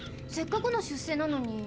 せっかくの出世なのに。